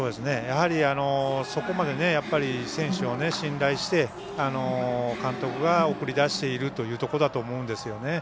そこまで、選手を信頼して監督が送り出しているというところだと思うんですよね。